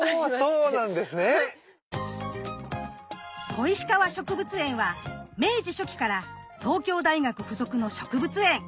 小石川植物園は明治初期から東京大学附属の植物園。